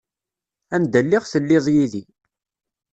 Anda lliɣ telliḍ yid-i.